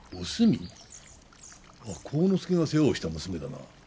ああ晃之助が世話をした娘だな。